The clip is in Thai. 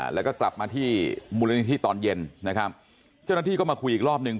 แล้วก็กลับมาที่มูลนิธิตอนเย็นนะครับเจ้าหน้าที่ก็มาคุยอีกรอบหนึ่ง